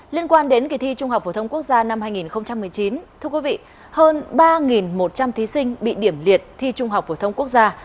liên quan đến kỳ thi trung học phổ thông quốc gia năm hai nghìn một mươi chín thưa quý vị hơn ba một trăm linh thí sinh bị điểm liệt thi trung học phổ thông quốc gia